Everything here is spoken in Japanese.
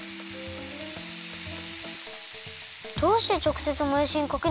どうしてちょくせつもやしにかけないんですか？